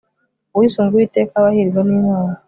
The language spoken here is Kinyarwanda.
uwisunga uwiteka aba ahirwa nimana